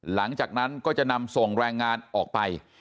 หลังจากนั้นก็จะนำส่งแรงงานออกไป